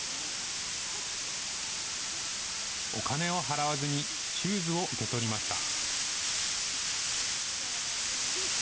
お金を払わずにシューズを受け取りました。